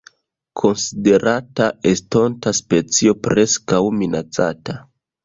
Konsiderata estonta specio Preskaŭ Minacata.